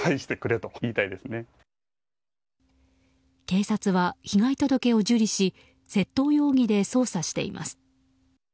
警察は被害届を受理し窃盗容疑で捜査しています。